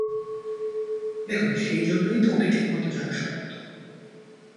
দেখুন, সেইজন্যেই তো ওঁকে ঠিকমত জানা শক্ত।